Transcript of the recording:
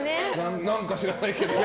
何か知らないけどね。